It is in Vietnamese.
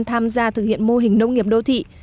tham gia thực hiện mô hình nông nghiệp đô thị